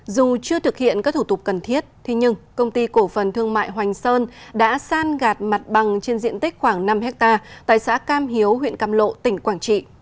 dù chưa thực hiện các thủ tục cần thiết nhưng công ty cổ phần thương mại hoành sơn đã san gạt mặt bằng trên diện tích khoảng năm hectare tại xã cam hiếu huyện cam lộ tỉnh quảng trị